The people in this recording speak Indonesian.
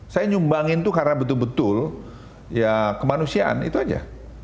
saya nyumbangin itu karena betul betul ya kemanusiaan itu aja